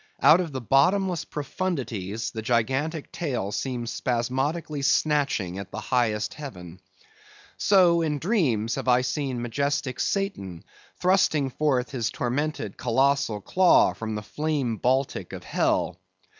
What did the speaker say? Out of the bottomless profundities the gigantic tail seems spasmodically snatching at the highest heaven. So in dreams, have I seen majestic Satan thrusting forth his tormented colossal claw from the flame Baltic of Hell.